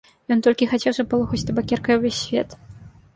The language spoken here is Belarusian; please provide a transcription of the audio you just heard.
Ён толькі хацеў запалохаць табакеркай увесь свет.